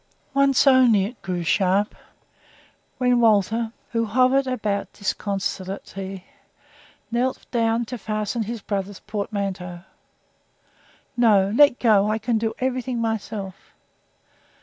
Once only it grew sharp, when Walter, who hovered about disconsolately, knelt down to fasten his brother's portmanteau. "No! Let go! I can do everything myself."